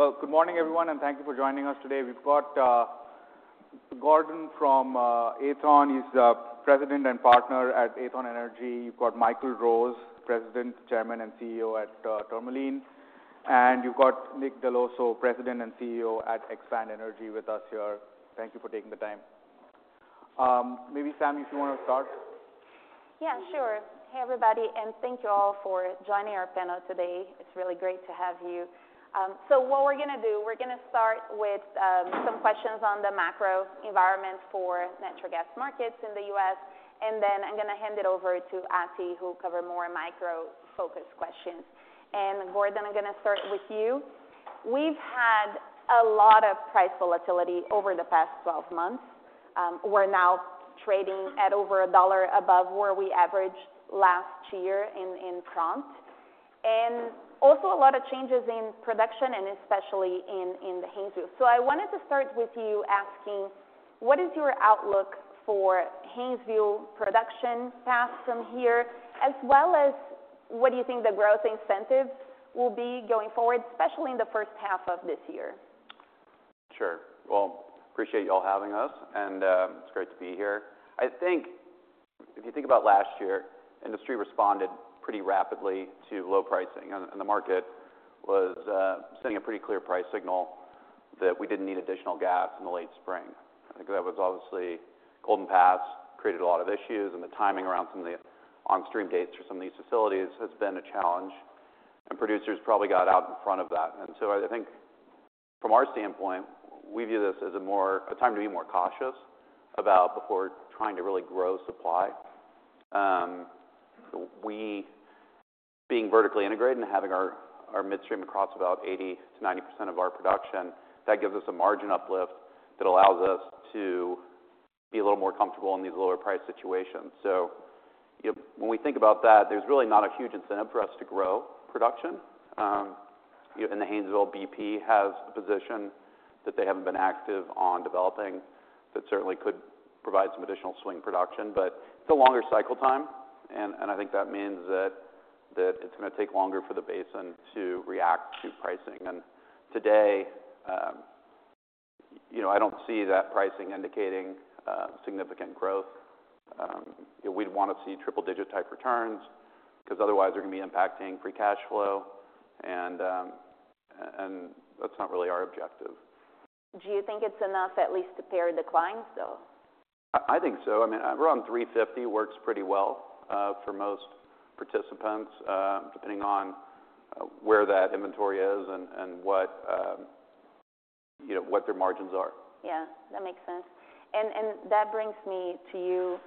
Good to see you again. Good to see you too. Well, good morning everyone, and thank you for joining us today. We've got Gordon from Aethon. He's the President and Partner at Aethon Energy. You've got Michael Rose, President, Chairman, and CEO at Tourmaline. And you've got Nick Dell'Osso, President and CEO at Expand Energy, with us here. Thank you for taking the time. Maybe Sam, if you wanna start. Yeah, sure. Hey everybody, and thank you all for joining our panel today. It's really great to have you. So what we're gonna do, we're gonna start with some questions on the macro environment for natural gas markets in the U.S. And then I'm gonna hand it over to Ati, who'll cover more micro-focused questions. And Gordon, I'm gonna start with you. We've had a lot of price volatility over the past 12 months. We're now trading at over $1 above where we averaged last year in prompt. And also a lot of changes in production, and especially in the Haynesville. So I wanted to start with you asking, what is your outlook for Haynesville production path from here, as well as what do you think the growth incentives will be going forward, especially in the first half of this year? Sure. I appreciate y'all having us, and it's great to be here. I think if you think about last year, industry responded pretty rapidly to low pricing, and the market was sending a pretty clear price signal that we didn't need additional gas in the late spring. I think that was obviously Golden Pass created a lot of issues, and the timing around some of the on-stream dates for some of these facilities has been a challenge. Producers probably got out in front of that. So I think from our standpoint, we view this as more of a time to be more cautious about before trying to really grow supply. We being vertically integrated and having our midstream across about 80%-90% of our production, that gives us a margin uplift that allows us to be a little more comfortable in these lower price situations. So, you know, when we think about that, there's really not a huge incentive for us to grow production. You know, in the Haynesville, BP has a position that they haven't been active on developing that certainly could provide some additional swing production, but it's a longer cycle time. And I think that means that it's gonna take longer for the basin to react to pricing. And today, you know, I don't see that pricing indicating significant growth. You know, we'd wanna see triple-digit type returns 'cause otherwise they're gonna be impacting free cash flow. And that's not really our objective. Do you think it's enough at least to pare declines though? I think so. I mean, around $3.50 works pretty well, for most participants, depending on where that inventory is and what, you know, what their margins are. Yeah. That makes sense. And that brings me to you,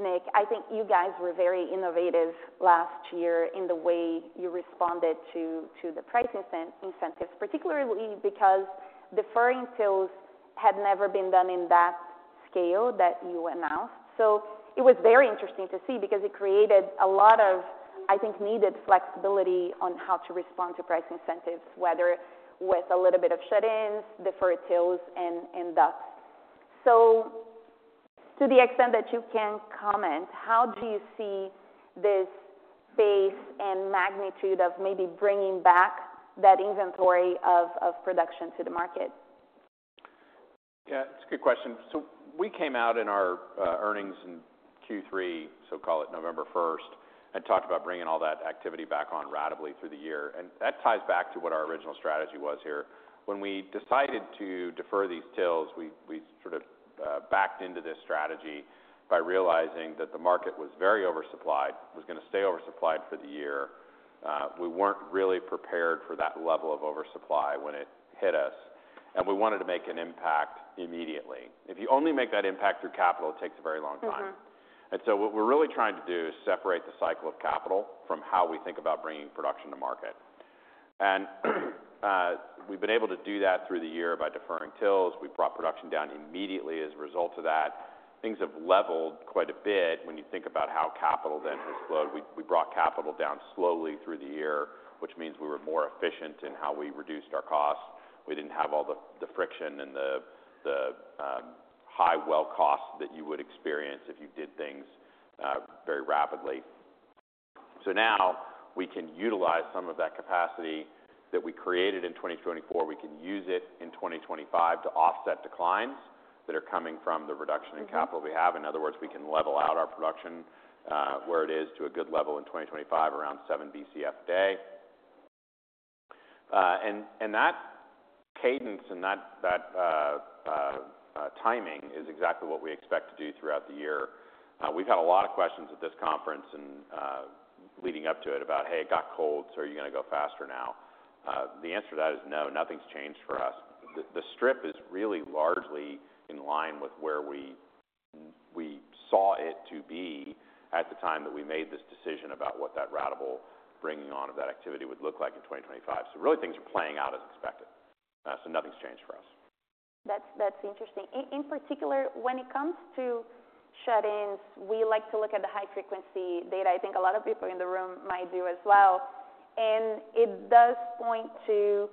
Nick. I think you guys were very innovative last year in the way you responded to the price incentives, particularly because deferring TILs had never been done in that scale that you announced. So it was very interesting to see because it created a lot of, I think, needed flexibility on how to respond to price incentives, whether with a little bit of shut-ins, deferred TILs, and DUCs. So to the extent that you can comment, how do you see this pace and magnitude of maybe bringing back that inventory of production to the market? Yeah. It's a good question. So we came out in our earnings in Q3, so call it November 1st, and talked about bringing all that activity back on rapidly through the year. And that ties back to what our original strategy was here. When we decided to defer these TILs, we sort of backed into this strategy by realizing that the market was very oversupplied, was gonna stay oversupplied for the year. We weren't really prepared for that level of oversupply when it hit us, and we wanted to make an impact immediately. If you only make that impact through capital, it takes a very long time. And so what we're really trying to do is separate the cycle of capital from how we think about bringing production to market, and we've been able to do that through the year by deferring TILs. We brought production down immediately as a result of that. Things have leveled quite a bit when you think about how capital then has flowed. We brought capital down slowly through the year, which means we were more efficient in how we reduced our costs. We didn't have all the friction and the high well costs that you would experience if you did things very rapidly, so now we can utilize some of that capacity that we created in 2024. We can use it in 2025 to offset declines that are coming from the reduction in capital we have. In other words, we can level out our production, where it is to a good level in 2025, around 7 BCF a day, and that cadence and that timing is exactly what we expect to do throughout the year. We've had a lot of questions at this conference and leading up to it about, hey, it got cold, so are you gonna go faster now? The answer to that is no. Nothing's changed for us. The strip is really largely in line with where we saw it to be at the time that we made this decision about what that radical bringing on of that activity would look like in 2025. So really things are playing out as expected, so nothing's changed for us. That's interesting. In particular, when it comes to shut-ins, we like to look at the high-frequency data. I think a lot of people in the room might do as well. And it does point to,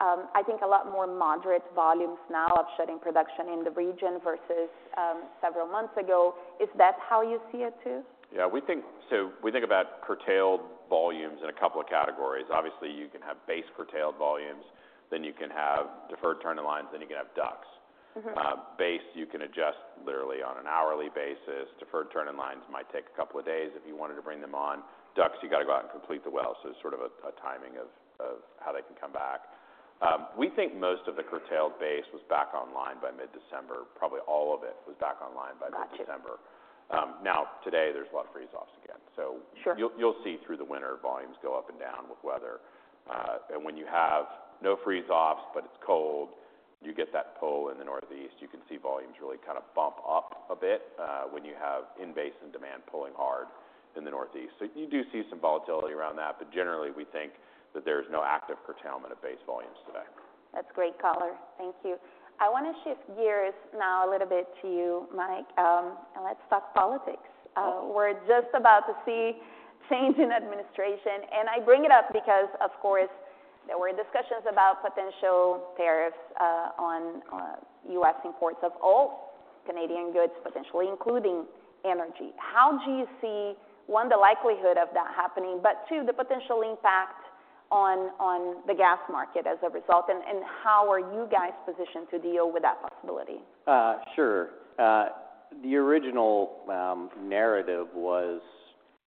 I think, a lot more moderate volumes now of shutting production in the region versus several months ago. Is that how you see it too? Yeah. We think about curtailed volumes in a couple of categories. Obviously, you can have base curtailed volumes, then you can have deferred turn-in-lines, then you can have DUCs. Base you can adjust literally on an hourly basis. Deferred turn-in-lines might take a couple of days if you wanted to bring them on. DUCs, you gotta go out and complete the well. So it's sort of a timing of how they can come back. We think most of the curtailed base was back online by mid-December. Probably all of it was back online by mid-December. Gotcha. Now today there's a lot of freeze-offs again. So. Sure. You'll see through the winter volumes go up and down with weather, and when you have no freeze-offs but it's cold, you get that pull in the Northeast. You can see volumes really kinda bump up a bit when you have in-basin demand pulling hard in the Northeast. So you do see some volatility around that, but generally we think that there's no active curtailment of base volumes today. That's great color. Thank you. I wanna shift gears now a little bit to you, Mike, and let's talk politics. We're just about to see change in administration. I bring it up because, of course, there were discussions about potential tariffs on U.S. imports of all Canadian goods, potentially including energy. How do you see, one, the likelihood of that happening, but two, the potential impact on the gas market as a result? How are you guys positioned to deal with that possibility? Sure. The original narrative was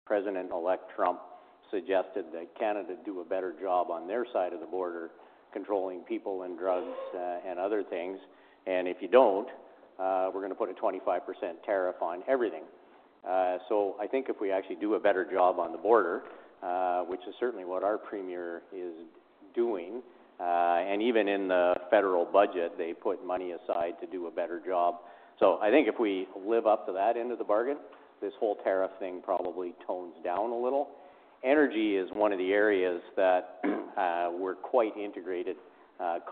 President-elect Trump suggested that Canada do a better job on their side of the border, controlling people and drugs, and other things, and if you don't, we're gonna put a 25% tariff on everything, so I think if we actually do a better job on the border, which is certainly what our premier is doing, and even in the federal budget, they put money aside to do a better job, so I think if we live up to that end of the bargain, this whole tariff thing probably tones down a little. Energy is one of the areas that we're quite integrated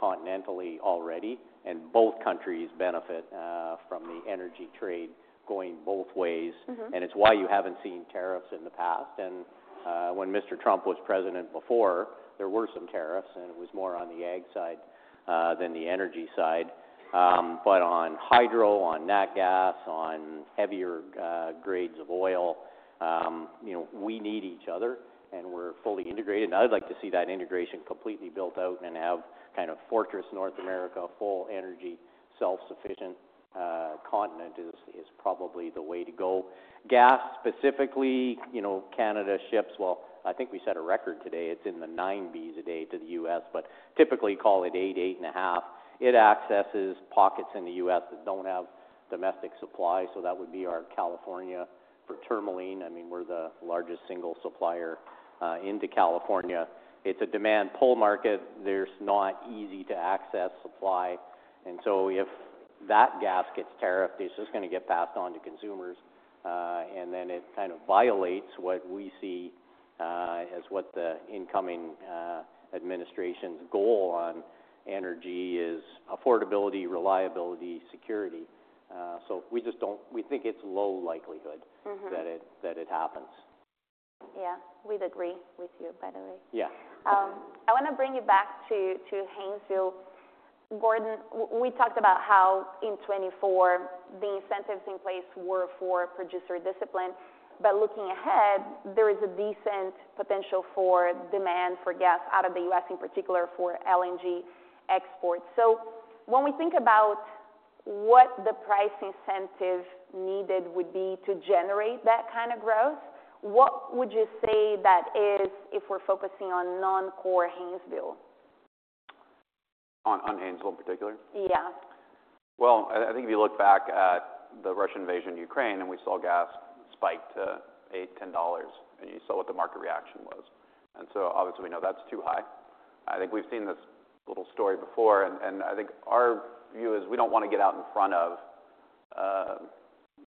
continentally already, and both countries benefit from the energy trade going both ways. It's why you haven't seen tariffs in the past. When Mr. Trump was president before, there were some tariffs, and it was more on the ag side than the energy side, but on hydro, on natural gas, on heavier grades of oil, you know, we need each other, and we're fully integrated. I'd like to see that integration completely built out and have kind of fortress North America, full energy self-sufficient continent is probably the way to go. Gas specifically, you know, Canada ships. Well, I think we set a record today. It's 9 BCF a day to the U.S., but typically call it eight, eight and a half. It accesses pockets in the U.S. that don't have domestic supply. So that would be our California for Tourmaline. I mean, we're the largest single supplier into California. It's a demand pull market. There's no easy-to-access supply. And so if that gas gets tariffed, it's just gonna get passed on to consumers, and then it kind of violates what we see as what the incoming administration's goal on energy is: affordability, reliability, security. So we just don't think it's low likelihood. That it happens. Yeah. We'd agree with you, by the way. Yeah. I wanna bring you back to Haynesville. Gordon, we talked about how in 2024 the incentives in place were for producer discipline, but looking ahead, there is a decent potential for demand for gas out of the U.S., in particular for LNG exports. So when we think about what the price incentive needed would be to generate that kind of growth, what would you say that is if we're focusing on non-core Haynesville? On Haynesville in particular? Yeah. I think if you look back at the Russian invasion of Ukraine and we saw gas spike to $8-$10, and you saw what the market reaction was. And so obviously we know that's too high. I think we've seen this little story before, and I think our view is we don't wanna get out in front of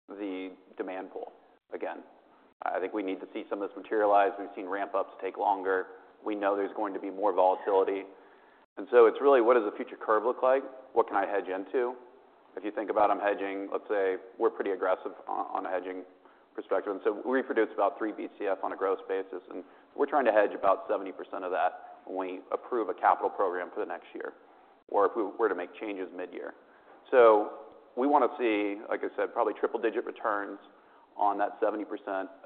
the demand pull again. I think we need to see some of this materialize. We've seen ramp-ups take longer. We know there's going to be more volatility. And so it's really what does the futures curve look like? What can I hedge into? If you think about I'm hedging, let's say we're pretty aggressive on a hedging perspective. And so we produce about three BCF on a gross basis, and we're trying to hedge about 70% of that when we approve a capital program for the next year or if we were to make changes mid-year. We want to see, like I said, probably triple-digit returns on that 70%,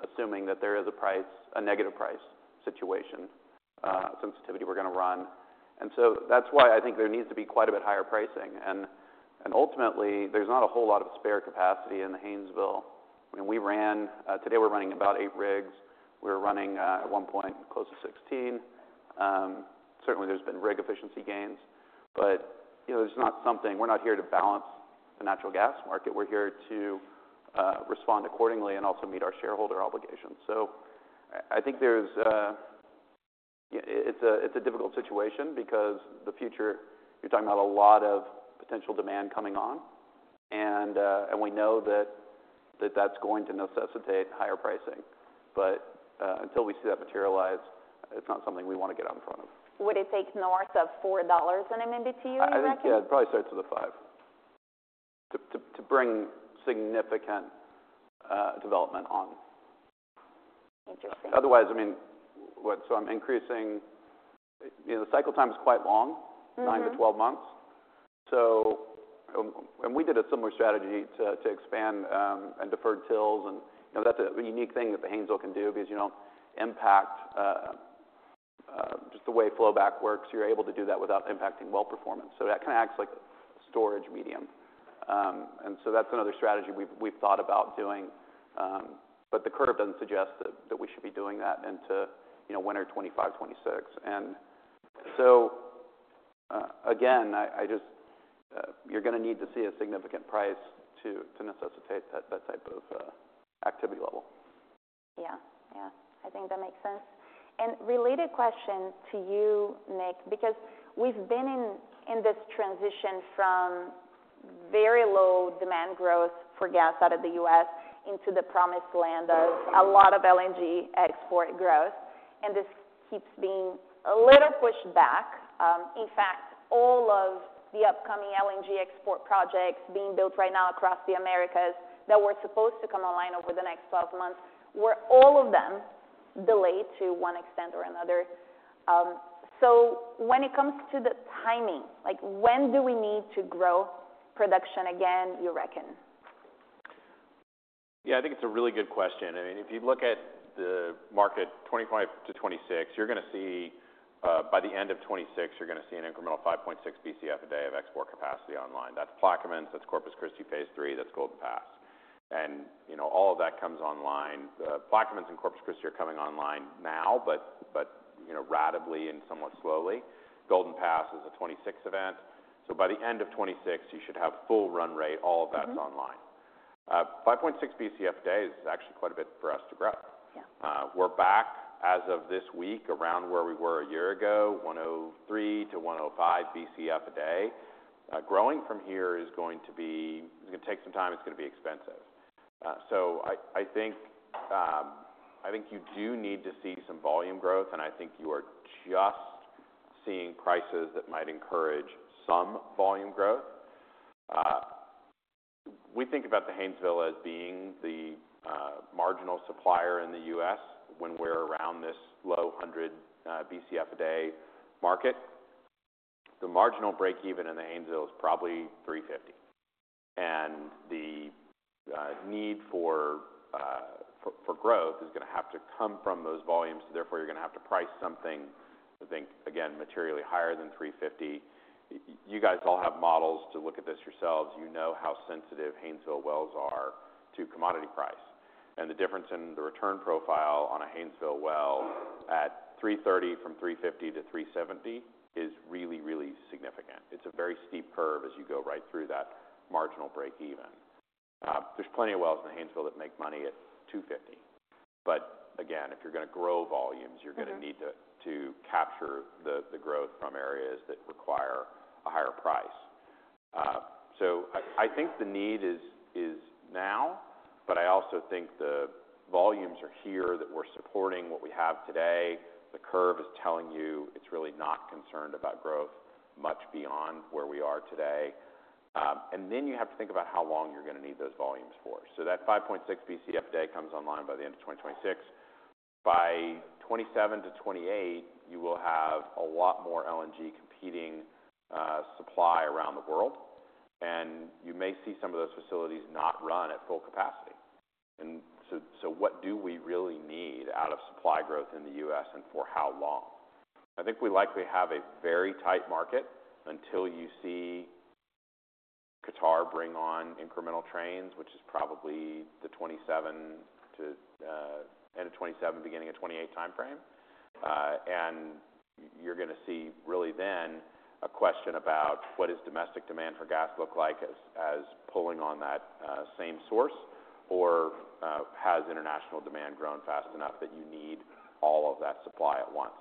assuming that there is a price, a negative price situation sensitivity we're going to run. That's why I think there needs to be quite a bit higher pricing. Ultimately, there's not a whole lot of spare capacity in the Haynesville. I mean, today we're running about eight rigs. We were running, at one point, close to 16. Certainly, there's been rig efficiency gains, but, you know, it's not something we're not here to balance the natural gas market. We're here to respond accordingly and also meet our shareholder obligations. So, I think there's yeah, it's a difficult situation because the future, you're talking about a lot of potential demand coming on. And we know that that's going to necessitate higher pricing. But until we see that materialize, it's not something we wanna get out in front of. Would it take north of $4 in a minute to you, you reckon? I think, yeah, it probably starts with a $5. To bring significant development on. Interesting. Otherwise, I mean, what? So I'm increasing, you know, the cycle time is quite long. Nine to 12 months. We did a similar strategy to expand and deferred TILs. You know, that's a unique thing that the Haynesville can do because you don't impact just the way flowback works. You're able to do that without impacting well performance. That kinda acts like a storage medium. That's another strategy we've thought about doing. The curve doesn't suggest that we should be doing that into, you know, winter 2025, 2026. Again, I just, you're gonna need to see a significant price to necessitate that type of activity level. Yeah. Yeah. I think that makes sense. And related question to you, Nick, because we've been in this transition from very low demand growth for gas out of the U.S. into the promised land of a lot of LNG export growth. And this keeps being a little pushed back. In fact, all of the upcoming LNG export projects being built right now across the Americas that were supposed to come online over the next 12 months were all of them delayed to one extent or another. So when it comes to the timing, like, when do we need to grow production again, you reckon? Yeah. I think it's a really good question. I mean, if you look at the market 2025 to 2026, you're gonna see, by the end of 2026, you're gonna see an incremental 5.6 BCF a day of export capacity online. That's Plaquemines, that's Corpus Christi Phase III, that's Golden Pass. And, you know, all of that comes online. The Plaquemines and Corpus Christi are coming online now, but, you know, gradually and somewhat slowly. Golden Pass is a 2026 event. So by the end of 2026, you should have full run rate. All of that's online. 5.6 BCF a day is actually quite a bit for us to grow. Yeah. We're back as of this week around where we were a year ago, 103-105 BCF a day. Growing from here is going to be it's gonna take some time. It's gonna be expensive. So I think you do need to see some volume growth, and I think you are just seeing prices that might encourage some volume growth. We think about the Haynesville as being the marginal supplier in the U.S. when we're around this low 100 BCF a day market. The marginal breakeven in the Haynesville is probably 350. And the need for growth is gonna have to come from those volumes. So therefore you're gonna have to price something, I think, again, materially higher than 350. You guys all have models to look at this yourselves. You know how sensitive Haynesville wells are to commodity price. The difference in the return profile on a Haynesville well at $3.30 from $3.50 to $3.70 is really, really significant. It's a very steep curve as you go right through that marginal breakeven. There's plenty of wells in the Haynesville that make money at $2.50. But again, if you're gonna grow volumes, you're gonna need to capture the growth from areas that require a higher price. I think the need is now, but I also think the volumes are here that we're supporting what we have today. The curve is telling you it's really not concerned about growth much beyond where we are today. You have to think about how long you're gonna need those volumes for. That 5.6 BCF a day comes online by the end of 2026. By 2027 to 2028, you will have a lot more LNG competing, supply around the world, and you may see some of those facilities not run at full capacity. And so, so what do we really need out of supply growth in the U.S. and for how long? I think we likely have a very tight market until you see Qatar bring on incremental trains, which is probably the 2027 to, end of 2027, beginning of 2028 timeframe, and you're gonna see really then a question about what does domestic demand for gas look like as, as pulling on that, same source or, has international demand grown fast enough that you need all of that supply at once.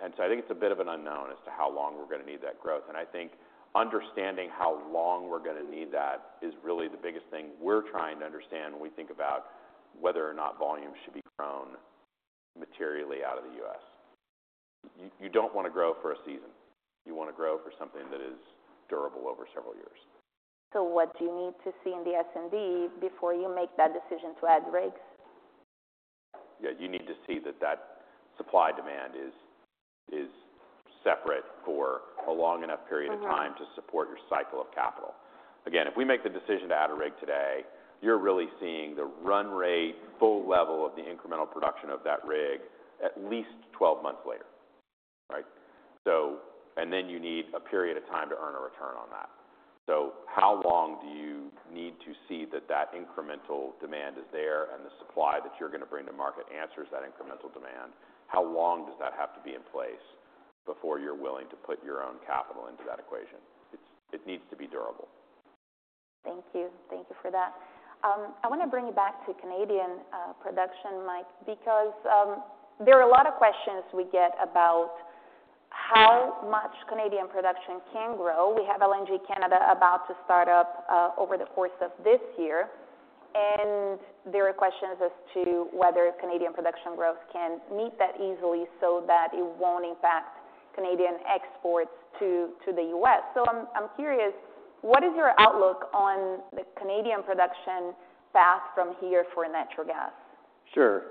And so I think it's a bit of an unknown as to how long we're gonna need that growth. I think understanding how long we're gonna need that is really the biggest thing we're trying to understand when we think about whether or not volumes should be grown materially out of the US. You don't wanna grow for a season. You wanna grow for something that is durable over several years. What do you need to see in the S&D before you make that decision to add rigs? Yeah. You need to see that supply demand is separate for a long enough period of time to support your cycle of capital. Again, if we make the decision to add a rig today, you're really seeing the run rate, full level of the incremental production of that rig at least 12 months later, right? So, and then you need a period of time to earn a return on that. So how long do you need to see that incremental demand is there and the supply that you're gonna bring to market answers that incremental demand? How long does that have to be in place before you're willing to put your own capital into that equation? It needs to be durable. Thank you. Thank you for that. I wanna bring you back to Canadian production, Mike, because there are a lot of questions we get about how much Canadian production can grow. We have LNG Canada about to start up over the course of this year, and there are questions as to whether Canadian production growth can meet that easily so that it won't impact Canadian exports to the U.S., so I'm curious, what is your outlook on the Canadian production path from here for natural gas? Sure.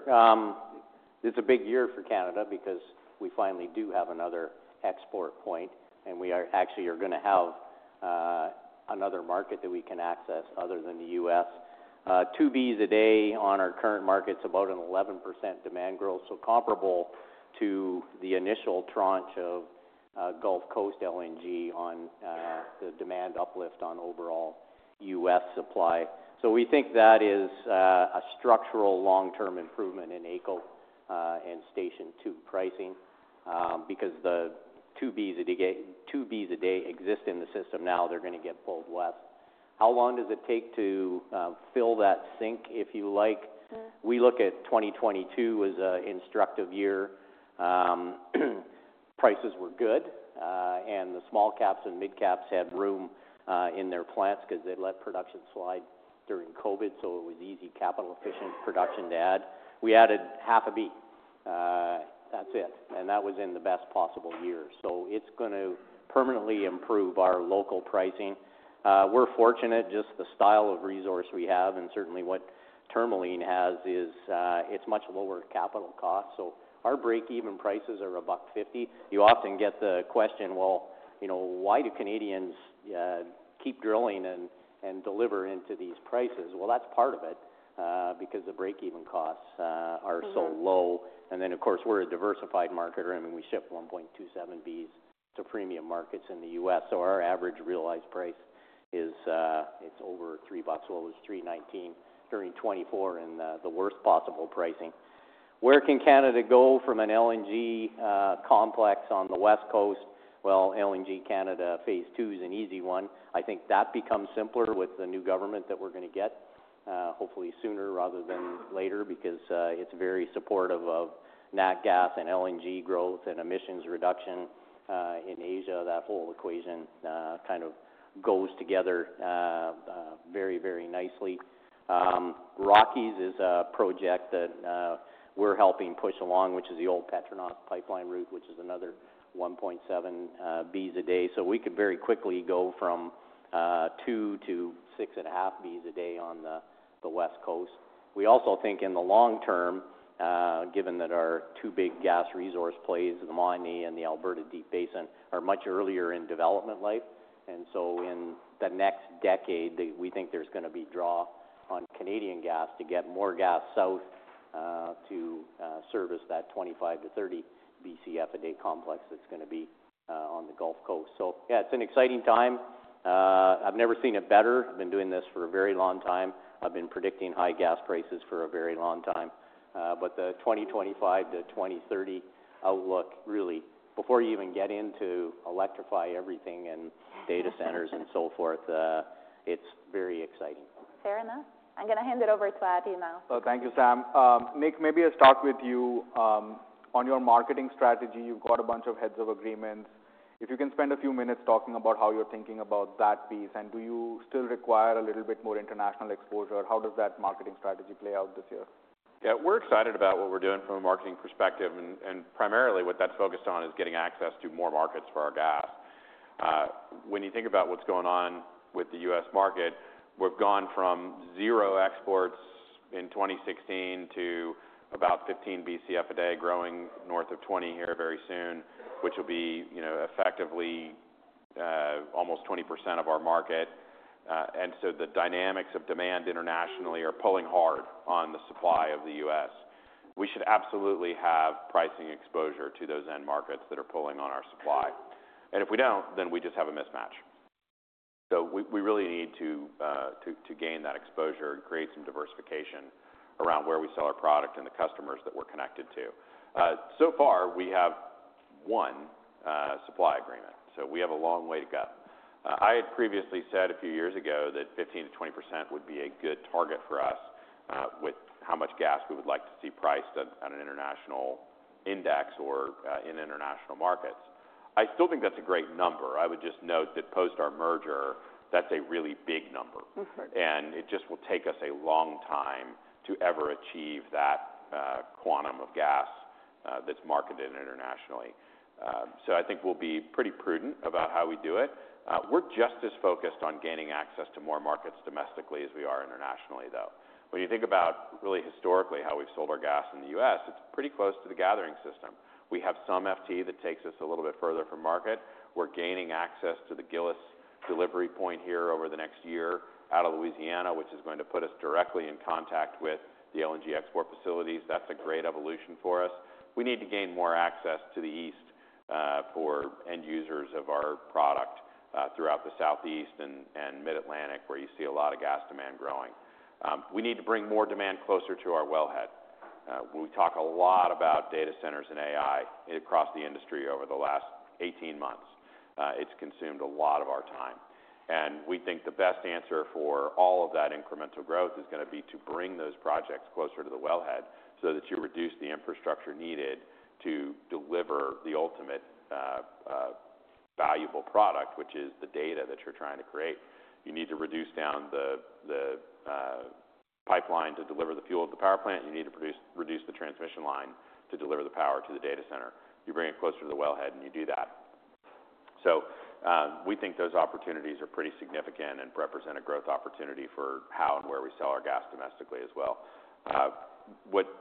It's a big year for Canada because we finally do have another export point, and we are actually gonna have another market that we can access other than the U.S. 2 BCF a day on our current markets about an 11% demand growth, so comparable to the initial tranche of Gulf Coast LNG on the demand uplift on overall U.S. supply. So we think that is a structural long-term improvement in AECO and Station 2 pricing, because the 2 BCF a day exist in the system now. They're gonna get pulled west. How long does it take to fill that sink, if you like? We look at 2022 as an instructive year. Prices were good, and the small caps and mid caps had room in their plans 'cause they let production slide during COVID, so it was easy, capital-efficient production to add. We added half a BCF. That's it. And that was in the best possible year. So it's gonna permanently improve our local pricing. We're fortunate just the style of resource we have, and certainly what Tourmaline has is, it's much lower capital costs. So our breakeven prices are $1.50. You often get the question, well, you know, why do Canadians keep drilling and deliver into these prices? Well, that's part of it, because the breakeven costs are so low. And then, of course, we're a diversified marketer. I mean, we ship 1.27 BCF to premium markets in the US. Our average realized price is, it's over $3 low. It was $3.19 during 2024 in the worst possible pricing. Where can Canada go from an LNG context on the West Coast? LNG Canada Phase 2 is an easy one. I think that becomes simpler with the new government that we're gonna get, hopefully sooner rather than later because it's very supportive of nat gas and LNG growth and emissions reduction in Asia. That whole equation kind of goes together very, very nicely. Rockies LNG is a project that we're helping push along, which is the old Petronas pipeline route, which is another 1.7 BCF a day. So we could very quickly go from 2 to 6.5 BCF a day on the West Coast. We also think in the long term, given that our two big gas resource plays, the Montney and the Alberta Deep Basin, are much earlier in development life, and so in the next decade, we think there's gonna be a draw on Canadian gas to get more gas south to service that 25-30 BCF a day complex that's gonna be on the Gulf Coast. So yeah, it's an exciting time. I've never seen it better. I've been doing this for a very long time. I've been predicting high gas prices for a very long time, but the 2025-2030 outlook, really, before you even get into electrify everything and data centers and so forth, it's very exciting. Fair enough. I'm gonna hand it over to Ati now. Thank you, Sam. Nick, maybe I'll start with you, on your marketing strategy. You've got a bunch of heads of agreements. If you can spend a few minutes talking about how you're thinking about that piece, and do you still require a little bit more international exposure? How does that marketing strategy play out this year? Yeah. We're excited about what we're doing from a marketing perspective. And primarily what that's focused on is getting access to more markets for our gas. When you think about what's going on with the U.S. market, we've gone from zero exports in 2016 to about 15 BCF a day growing north of 20 here very soon, which will be, you know, effectively, almost 20% of our market. And so the dynamics of demand internationally are pulling hard on the supply of the U.S. We should absolutely have pricing exposure to those end markets that are pulling on our supply. And if we don't, then we just have a mismatch. So we really need to gain that exposure and create some diversification around where we sell our product and the customers that we're connected to. So far we have one supply agreement. So we have a long way to go. I had previously said a few years ago that 15%-20% would be a good target for us, with how much gas we would like to see priced on an international index or in international markets. I still think that's a great number. I would just note that post our merger, that's a really big number. And it just will take us a long time to ever achieve that quantum of gas that's marketed internationally. So I think we'll be pretty prudent about how we do it. We're just as focused on gaining access to more markets domestically as we are internationally, though. When you think about really historically how we've sold our gas in the U.S., it's pretty close to the gathering system. We have some FT that takes us a little bit further from market. We're gaining access to the Gillis delivery point here over the next year out of Louisiana, which is going to put us directly in contact with the LNG export facilities. That's a great evolution for us. We need to gain more access to the east, for end users of our product, throughout the southeast and mid-Atlantic where you see a lot of gas demand growing. We need to bring more demand closer to our wellhead. We talk a lot about data centers and AI across the industry over the last 18 months. It's consumed a lot of our time, and we think the best answer for all of that incremental growth is gonna be to bring those projects closer to the wellhead so that you reduce the infrastructure needed to deliver the ultimate, valuable product, which is the data that you're trying to create. You need to reduce down the pipeline to deliver the fuel to the power plant. You need to reduce the transmission line to deliver the power to the data center. You bring it closer to the wellhead and you do that, so we think those opportunities are pretty significant and represent a growth opportunity for how and where we sell our gas domestically as well.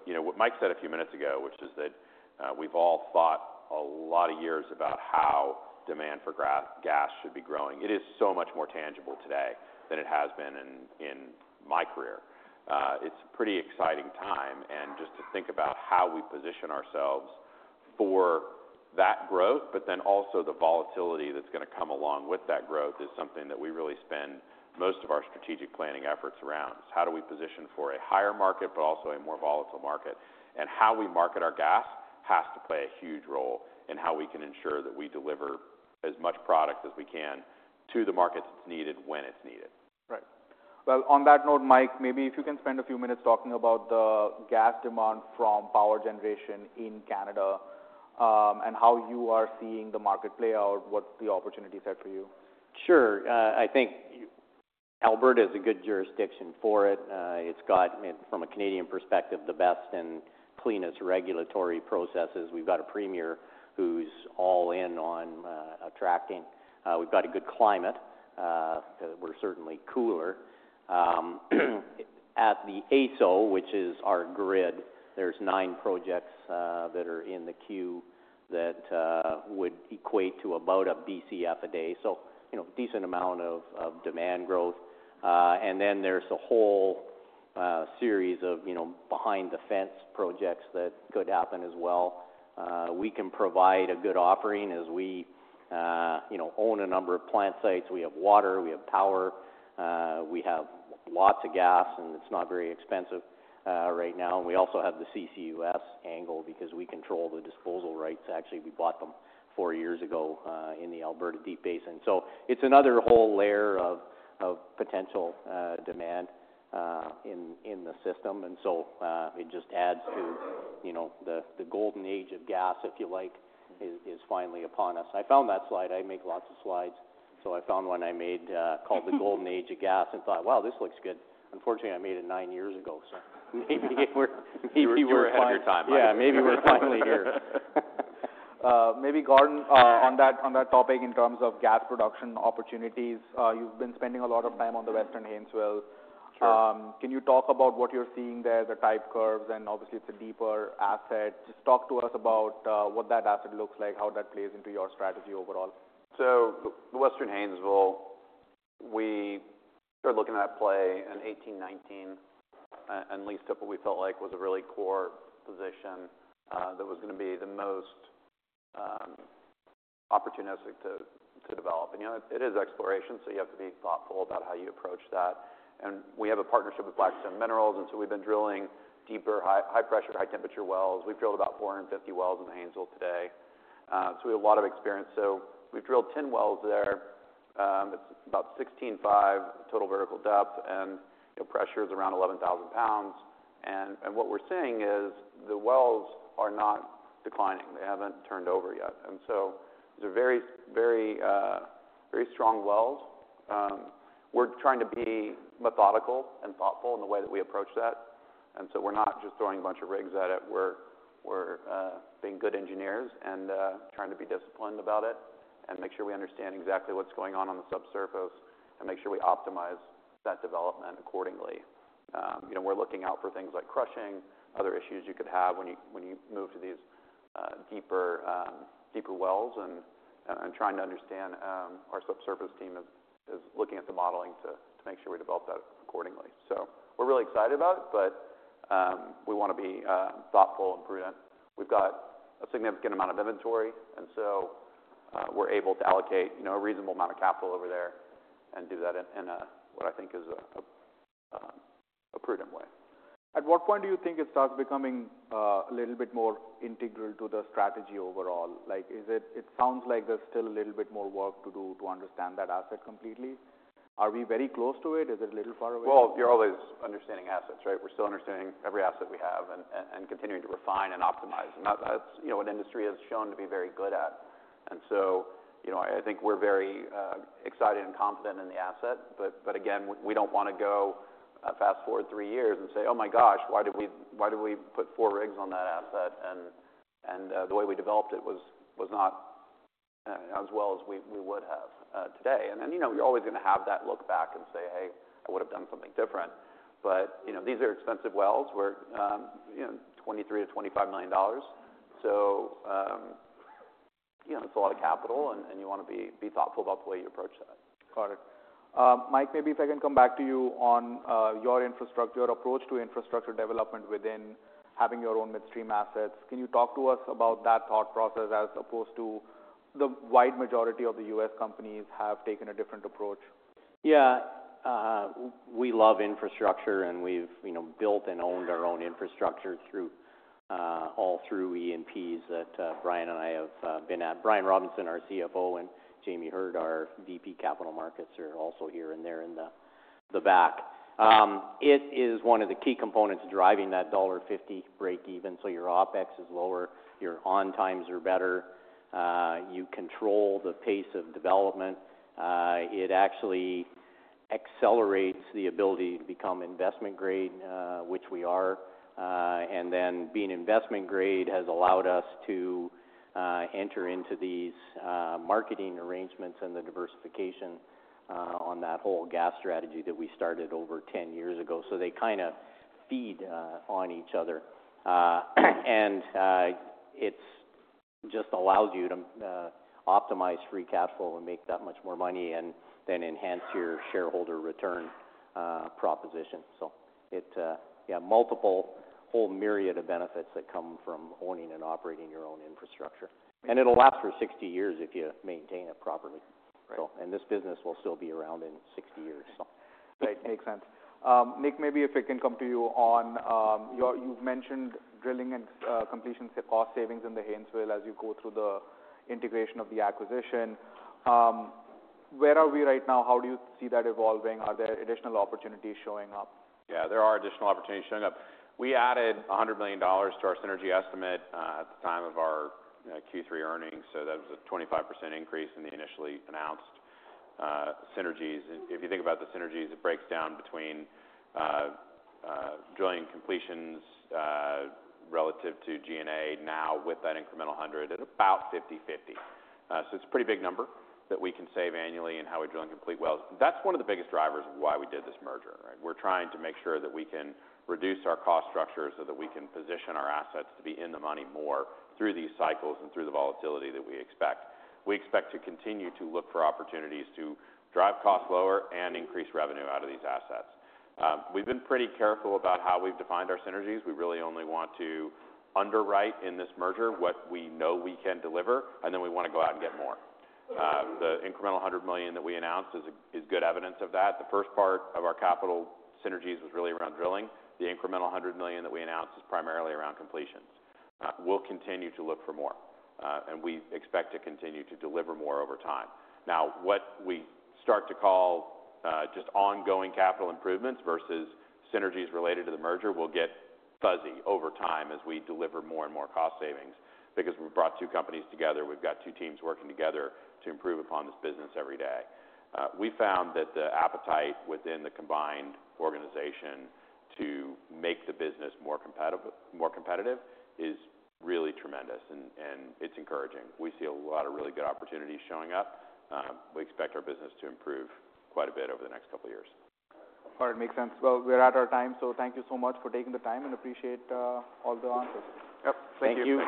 You know, what Mike said a few minutes ago, which is that, we've all thought a lot of years about how demand for gas should be growing. It is so much more tangible today than it has been in my career. It's a pretty exciting time. Just to think about how we position ourselves for that growth, but then also the volatility that's gonna come along with that growth is something that we really spend most of our strategic planning efforts around. It's how do we position for a higher market, but also a more volatile market? And how we market our gas has to play a huge role in how we can ensure that we deliver as much product as we can to the markets it's needed when it's needed. Right. Well, on that note, Mike, maybe if you can spend a few minutes talking about the gas demand from power generation in Canada, and how you are seeing the market play out, what's the opportunity set for you? Sure. I think Alberta is a good jurisdiction for it. It's got, from a Canadian perspective, the best and cleanest regulatory processes. We've got a premier who's all in on attracting. We've got a good climate, 'cause we're certainly cooler. At the AESO, which is our grid, there's nine projects that are in the queue that would equate to about a BCF a day. So, you know, decent amount of demand growth. And then there's a whole series of, you know, behind-the-fence projects that could happen as well. We can provide a good offering as we, you know, own a number of plant sites. We have water, we have power, we have lots of gas, and it's not very expensive right now. And we also have the CCUS angle because we control the disposal rights. Actually, we bought them four years ago, in the Alberta Deep Basin. So it's another whole layer of potential demand in the system. And so, it just adds to, you know, the golden age of gas, if you like, is finally upon us. I found that slide. I make lots of slides. So I found one I made, called the golden age of gas and thought, wow, this looks good. Unfortunately, I made it nine years ago, so maybe we're at. You were ahead of your time. Yeah. Yeah. Maybe we're finally here. Maybe Gordon, on that, on that topic in terms of gas production opportunities, you've been spending a lot of time on the Western Haynesville. Sure. Can you talk about what you're seeing there, the type curves, and obviously it's a deeper asset? Just talk to us about what that asset looks like, how that plays into your strategy overall. The Western Haynesville, we started looking at the play in 2018 and 2019 and leased up what we felt like was a really core position that was gonna be the most opportunistic to develop. You know, it is exploration, so you have to be thoughtful about how you approach that. We have a partnership with Black Stone Minerals, and so we've been drilling deeper, high-pressure, high-temperature wells. We've drilled about 450 wells in the Haynesville today, so we have a lot of experience. We've drilled 10 wells there. It's about 16.5 total vertical depth, and you know, pressure's around 11,000 pounds. What we're seeing is the wells are not declining. They haven't turned over yet. These are very, very, very strong wells. We're trying to be methodical and thoughtful in the way that we approach that. And so we're not just throwing a bunch of rigs at it. We're being good engineers and trying to be disciplined about it and make sure we understand exactly what's going on on the subsurface and make sure we optimize that development accordingly. You know, we're looking out for things like crushing, other issues you could have when you move to these deeper wells and trying to understand, our subsurface team is looking at the modeling to make sure we develop that accordingly. So we're really excited about it, but we wanna be thoughtful and prudent. We've got a significant amount of inventory, and so we're able to allocate, you know, a reasonable amount of capital over there and do that in a what I think is a prudent way. At what point do you think it starts becoming a little bit more integral to the strategy overall? Like, is it? It sounds like there's still a little bit more work to do to understand that asset completely. Are we very close to it? Is it a little far away? You're always understanding assets, right? We're still understanding every asset we have and continuing to refine and optimize. And that's, you know, an industry has shown to be very good at. And so, you know, I think we're very excited and confident in the asset. But again, we don't wanna go fast forward three years and say, oh my gosh, why did we put four rigs on that asset? And the way we developed it was not as well as we would have today. And then, you know, you're always gonna have that look back and say, hey, I would've done something different. But you know, these are expensive wells. $23 million-$25 million. So, you know, it's a lot of capital, and you wanna be thoughtful about the way you approach that. Got it. Mike, maybe if I can come back to you on your infrastructure approach to infrastructure development within having your own midstream assets. Can you talk to us about that thought process as opposed to the wide majority of the U.S. companies have taken a different approach? Yeah. We love infrastructure, and we've, you know, built and owned our own infrastructure through E&Ps that Brian and I have been at. Brian Robinson, our CFO, and Jamie Heard, our VP, Capital Markets, are also here and there in the back. It is one of the key components driving that $50 break-even. So your OPEX is lower, your on times are better. You control the pace of development. It actually accelerates the ability to become investment grade, which we are. And then being investment grade has allowed us to enter into these marketing arrangements and the diversification on that whole gas strategy that we started over 10 years ago. So they kinda feed on each other. And it just allows you to optimize free cash flow and make that much more money and then enhance your shareholder return proposition. Multiple whole myriad of benefits that come from owning and operating your own infrastructure. It'll last for 60 years if you maintain it properly. Right. This business will still be around in 60 years, so. Right. Makes sense. Nick, maybe if I can come to you on, your, you've mentioned drilling and, completion cost savings in the Haynesville as you go through the integration of the acquisition. Where are we right now? How do you see that evolving? Are there additional opportunities showing up? Yeah. There are additional opportunities showing up. We added $100 million to our synergy estimate, at the time of our Q3 earnings. So that was a 25% increase in the initially announced synergies. And if you think about the synergies, it breaks down between drilling completions relative to G&A now with that incremental 100 at about 50/50. So it's a pretty big number that we can save annually in how we drill and complete wells. That's one of the biggest drivers of why we did this merger, right? We're trying to make sure that we can reduce our cost structure so that we can position our assets to be in the money more through these cycles and through the volatility that we expect. We expect to continue to look for opportunities to drive costs lower and increase revenue out of these assets. We've been pretty careful about how we've defined our synergies. We really only want to underwrite in this merger what we know we can deliver, and then we wanna go out and get more. The incremental $100 million that we announced is a, is good evidence of that. The first part of our capital synergies was really around drilling. The incremental $100 million that we announced is primarily around completions. We'll continue to look for more, and we expect to continue to deliver more over time. Now, what we start to call, just ongoing capital improvements versus synergies related to the merger will get fuzzy over time as we deliver more and more cost savings because we've brought two companies together. We've got two teams working together to improve upon this business every day. We found that the appetite within the combined organization to make the business more competitive, more competitive is really tremendous, and it's encouraging. We see a lot of really good opportunities showing up. We expect our business to improve quite a bit over the next couple of years. All right. Makes sense. Well, we're at our time, so thank you so much for taking the time and appreciate all the answers. Yep. Thank you. Thank you.